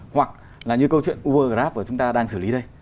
hoặc là như câu chuyện uv grab của chúng ta đang xử lý đây